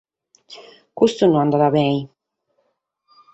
Custu no andat bene.